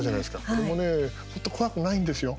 これね、本当、怖くないんですよ。